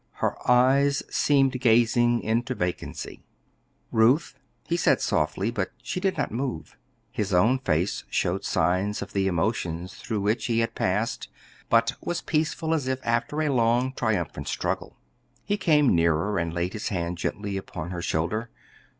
Her eyes seemed gazing into vacancy. "Ruth," he said softly; but she did not move. His own face showed signs of the emotions through which he had passed, but was peaceful as if after a long, triumphant struggle. He came nearer and laid his hand gently upon her shoulder.